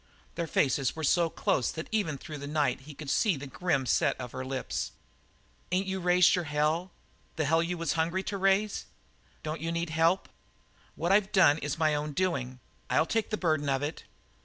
Their faces were so close that even through the night he could see the grim set of her lips. "Ain't you raised your hell the hell you was hungry to raise? Don't you need help?" "What I've done is my own doing. I'll take the burden of it."